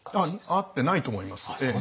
会ってないと思います。